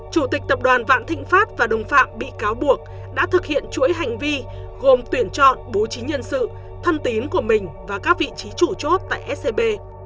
chủ tịch tập đoàn vạn thịnh pháp và đồng phạm bị cáo buộc đã thực hiện chuỗi hành vi gồm tuyển chọn bố trí nhân sự thân tín của mình và các vị trí chủ chốt tại scb